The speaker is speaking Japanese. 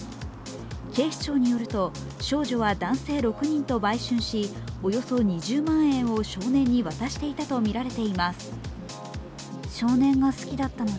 警視庁によると少女は男性６人と売春し、およそ２０万円を少年に渡していたとみられています。